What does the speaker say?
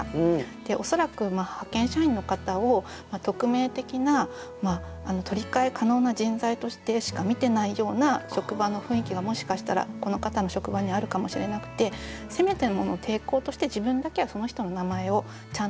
で恐らく派遣社員の方を匿名的な取り替え可能な人材としてしか見てないような職場の雰囲気がもしかしたらこの方の職場にあるかもしれなくてせめてもの抵抗として自分だけはその人の名前をちゃんと呼ぶ。